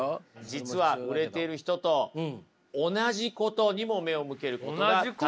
実は売れている人と同じことにも目を向けることが大切なんです。